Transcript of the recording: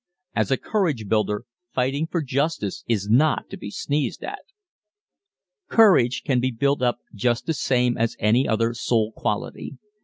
As a courage builder fighting for justice is not to be sneezed at. Courage can be built up just the same as any other soul quality.